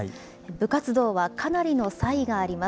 部活動はかなりの差異があります。